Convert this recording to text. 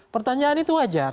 pertanyaan itu wajar